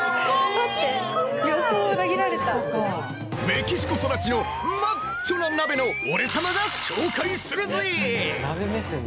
メキシコ育ちのマッチョな鍋の俺様が紹介するぜ！